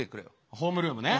ホームルームね。